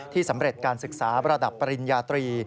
สำเร็จการศึกษาระดับปริญญาตรี